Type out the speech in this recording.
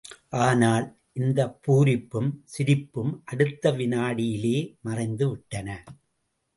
ஆனால், இந்தப் பூரிப்பும், சிரிப்பும் அடுத்த விநாடியிலேயே மறைந்து விட்டன.